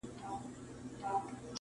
• بې له ميني که ژوندون وي که دنیا وي..